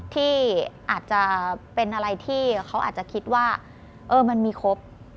ที่อาจจะเป็นอะไรที่เขาอาจจะคิดว่ามันมีครบ